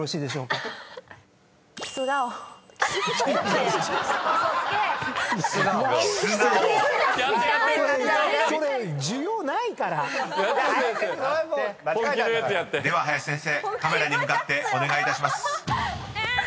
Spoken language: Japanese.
［では林先生カメラに向かってお願いいたします］